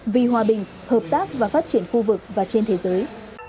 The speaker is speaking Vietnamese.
vì hòa bình hợp tác và phát triển khu vực và trên thế giới